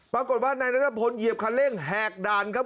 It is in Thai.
ปรากฏว่านายนัทพลเหยียบคันเร่งแหกด่านครับ